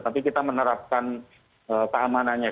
tapi kita menerapkan keamanannya